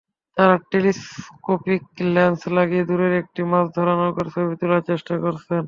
তাঁরা telescopic lens লাগিয়ে দূরের একটি মাছধরা নৌকার ছবি তোলার চেষ্টা করছেন।